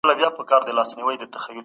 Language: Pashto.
انساني قاچاق د عصري غلامۍ یوه بڼه ده.